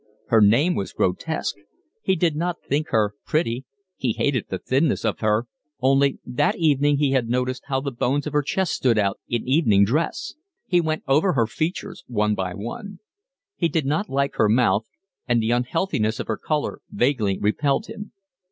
Her name was grotesque. He did not think her pretty; he hated the thinness of her, only that evening he had noticed how the bones of her chest stood out in evening dress; he went over her features one by one; he did not like her mouth, and the unhealthiness of her colour vaguely repelled him.